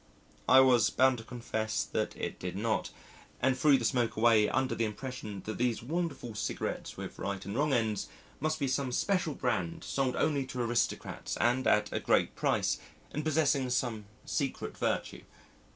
I was bound to confess that it did not, and threw the smoke away under the impression that these wonderful cigarettes with right and wrong ends must be some special brand sold only to aristocrats, and at a great price, and possessing some secret virtue.